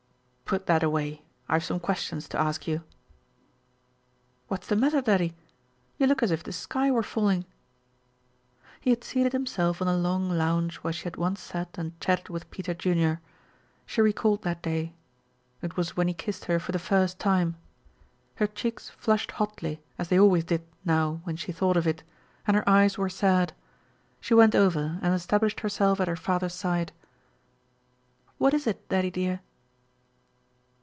"Put that away. I have some questions to ask you." "What's the matter, daddy? You look as if the sky were falling." He had seated himself on the long lounge where she had once sat and chatted with Peter Junior. She recalled that day. It was when he kissed her for the first time. Her cheeks flushed hotly as they always did now when she thought of it, and her eyes were sad. She went over and established herself at her father's side. "What is it, daddy, dear?"